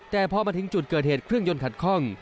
แต่พอมาถึงจุดเกิดเหตุเครื่องยนต์ขัดคล่อง